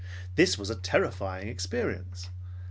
This was a terrifying experience.